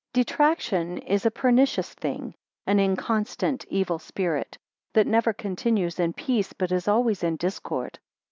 4 Detraction is a pernicious thing; an inconstant, evil spirit; that never continues in peace, but is always in discord.